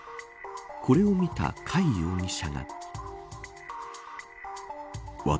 これを見た貝容疑者が。